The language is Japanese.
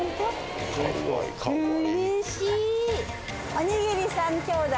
おにぎり３兄弟。